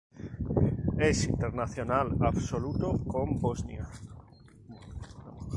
Es internacional absoluto con Bosnia.